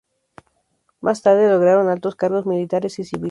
Más tarde lograron altos cargos militares y civiles.